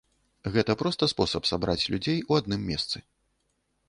Гэта проста спосаб сабраць людзей у адным месцы.